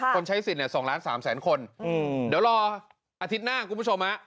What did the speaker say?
ค่ะคนใช้สินเนี่ยสองล้านสามแสนคนอืมเดี๋ยวรออาทิตย์หน้าคุณผู้ชมน่ะ